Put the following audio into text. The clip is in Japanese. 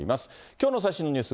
きょうの最新ニュース、